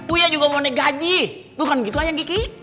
uya juga mau naik gaji bukan gitu lah yang kiki